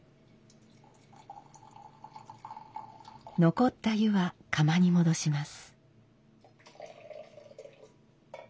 残った湯は釜に戻します。